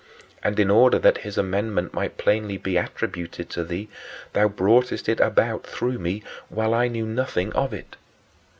And in order that his amendment might plainly be attributed to thee, thou broughtest it about through me while I knew nothing of it.